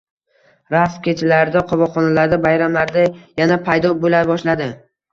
Raqs kechalarida, qovoqxonalarda, bayramlarda yana paydo bo`la boshladi